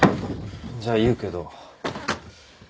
じゃあ言うけど。